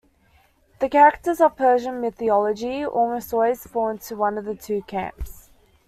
The characters of Persian mythology almost always fall into one of two camps.